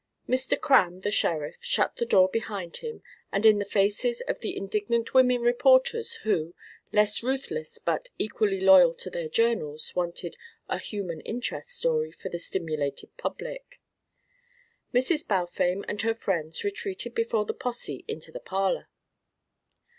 Mr. Cramb, the sheriff, shut the door behind him and in the faces of the indignant women reporters, who, less ruthless but equally loyal to their journals, wanted a "human interest" story for the stimulated public. Mrs. Balfame and her friends retreated before the posse into the parlour.